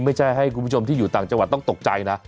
ไม่ใช่ให้คุณผู้ชมที่อยู่ต่างจังหวัดต้องตกใจนะ